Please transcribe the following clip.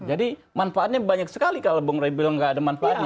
jadi manfaatnya banyak sekali kalau bung ray bilang nggak ada manfaatnya